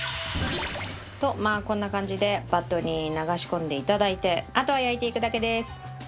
とまあこんな感じでバットに流し込んで頂いてあとは焼いていくだけです。